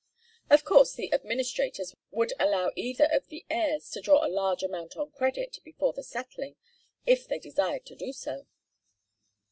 Of course the administrators would allow either of the heirs to draw a large amount on credit before the settling, if they desired to do so.